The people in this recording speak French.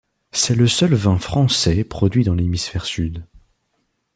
C'est le seul vin français produit dans l'hémisphère sud.